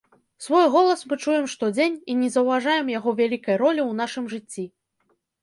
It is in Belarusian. Свой голас мы чуем штодзень і не заўважаем яго вялікай ролі ў нашым жыцці.